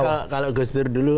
makanya kalau gue istirahat dulu